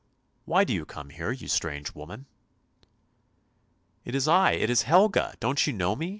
Why do you come here, you strange woman? "" It is I, it is Helga; don't you know me?